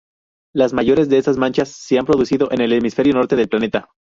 Las mayores de estas manchas se han producido en el hemisferio norte del planeta.